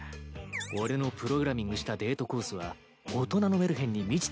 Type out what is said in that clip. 俺のプログラミングしたデートコースは大人のメルヘンに満ちておるからな。